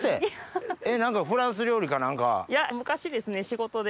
フランス料理か何か？